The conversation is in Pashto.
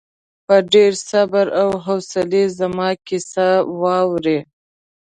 په ډېر صبر او حوصلې زما کیسه واورې.